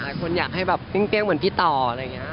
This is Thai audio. หลายคนอยากให้แบบเพี้ยงเพี้ยงเหมือนพี่ต่ออะไรอย่างนี้